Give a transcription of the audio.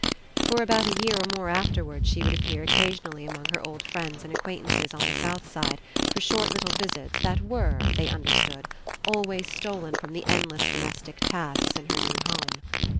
For about a year or more afterwards she would appear occasionally among her old friends and acquaintances on the south side for short little visits that were, they understood, always stolen from the endless domestic tasks in her new home.